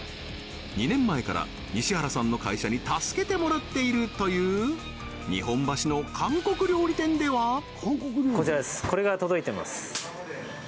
２年前から西原さんの会社に助けてもらっているという日本橋の韓国料理店ではこちらです